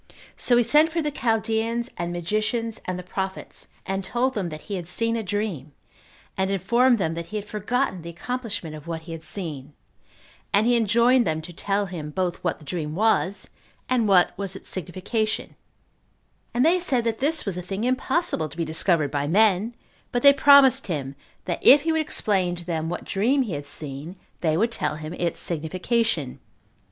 So he sent for the Chaldeans and magicians, and the prophets, and told them that he had seen a dream, and informed them that he had forgotten the accomplishment of what he had seen, and he enjoined them to tell him both what the dream was, and what was its signification; and they said that this was a thing impossible to be discovered by men; but they promised him, that if he would explain to them what dream he had seen, they would tell him its signification.